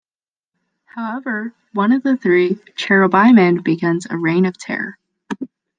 However, one of the three, Cherubimon begins a reign of terror.